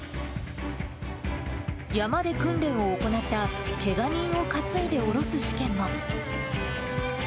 山で訓練を行ったけが人を担いで降ろす試験も。